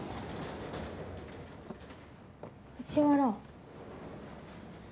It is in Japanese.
藤原。